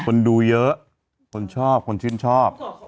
คนดูเยอะคนชอบคนชื่นชอบ